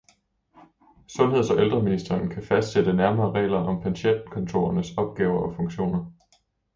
Sundheds- og ældreministeren kan fastsætte nærmere regler om patientkontorernes opgaver og funktioner